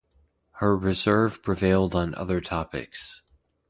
Her reserve prevailed on other topics.